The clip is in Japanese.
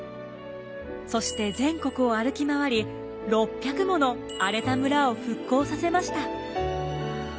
そして全国を歩き回り６００もの荒れた村を復興させました。